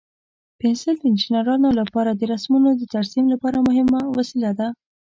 پنسل د انجینرانو لپاره د رسمونو د ترسیم لپاره مهم وسیله ده.